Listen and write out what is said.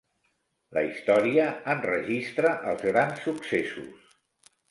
La història enregistra els grans successos.